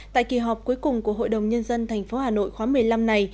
tại kỳ họp cuối cùng của hội đồng nhân dân tp hà nội khóa một mươi năm này